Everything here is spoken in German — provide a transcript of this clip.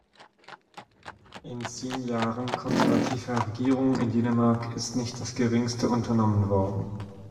In zehn Jahren konservativer Regierung in Dänemark ist nicht das geringste unternommen worden.